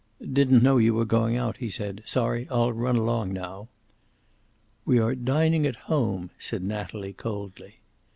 "Didn't know you were going out," he said. "Sorry. I'll run along now." "We are dining at home," said Natalie, coldly.